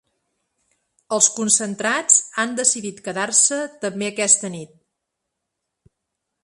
Els concentrats han decidit quedar-se també aquesta nit.